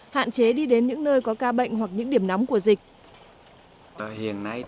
hạn chế đi đến những nơi có ca bệnh hoặc những điểm nóng của dịch